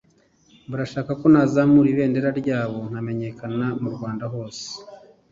barashaka ko nazamura ibendera ryabo nkamenyekana mu Rwanda hose